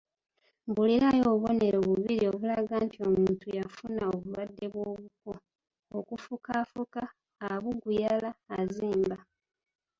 Mbuulirayo obubonero bubiri obulaga nti omuntu yafuna obulwadde bw'obuko: okufukaafuka, abuguyala, azimba.